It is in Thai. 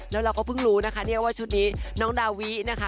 แล้วเราก็เพิ่งรู้นะคะเนี่ยว่าชุดนี้น้องดาวินะคะ